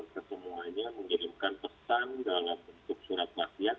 kesemuanya mengirimkan pesan dalam suksura khasiat